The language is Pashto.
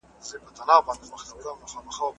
حکومت باید له خلګو سره مرسته وکړي.